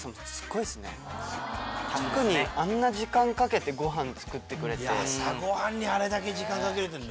特にあんな時間かけてごはん作ってくれて。